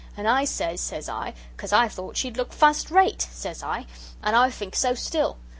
And I says, says I, 'Cause I thought she'd look fust rate,' says I, 'and I think so still.'